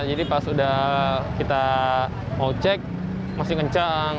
jadi pas udah kita mau cek masih kencang